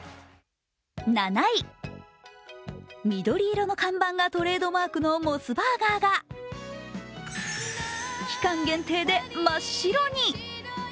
７位、緑色の看板がトレードマークのモスバーガーが、期間限定で真っ白に。